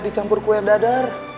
dicampur kue dadar